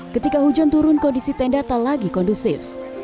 ketika hujan turun kondisi tenda tak lagi kondusif